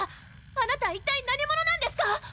あなた一体何者なんですか？